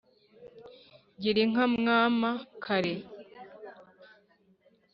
Gira inka Mwama-kare